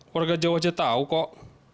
warga jawa aja tahu kok